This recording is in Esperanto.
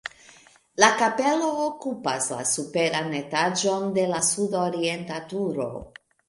La kapelo okupas la superan etaĝon de la sud-orienta turo.